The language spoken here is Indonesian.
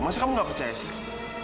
masa kamu gak percaya sih